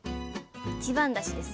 一番だしです。